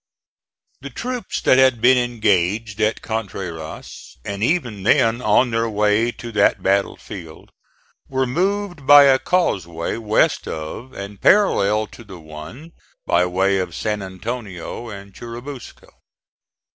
The troops that had been engaged at Contreras, and even then on their way to that battle field, were moved by a causeway west of, and parallel to the one by way of San Antonio and Churubusco.